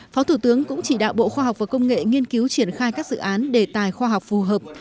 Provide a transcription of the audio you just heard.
phó thủ tướng cũng chỉ đạo bộ khoa học và công nghệ nghiên cứu triển khai các dự án đề tài khoa học phù hợp